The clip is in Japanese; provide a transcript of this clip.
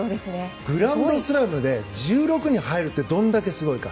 グランドスラムで１６に入るってどれだけすごいか。